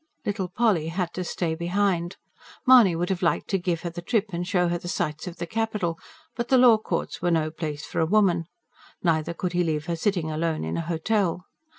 Little Polly had to stay behind. Mahony would have liked to give her the trip and show her the sights of the capital; but the law courts were no place for a woman; neither could he leave her sitting alone in a hotel.